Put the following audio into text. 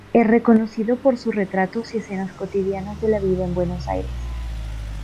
Es reconocido por sus retratos y escenas cotidianas de la vida en Buenos Aires.